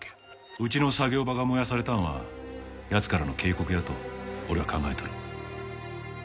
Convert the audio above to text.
うちの作業場が燃やされたんは奴からの警告やと俺は考えとる。